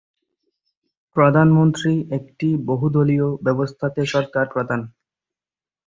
প্রধানমন্ত্রী একটি বহুদলীয় ব্যবস্থাতে সরকার প্রধান।